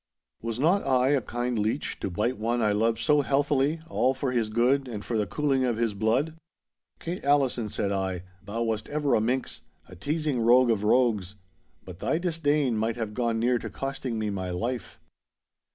Was not I a kind leech, to bite one I loved so healthily all for his good and for the cooling of his blood?' 'Kate Allison,' said I, 'thou wast ever a minx, a teasing rogue of rogues. But thy disdain might have gone near to costing me my life!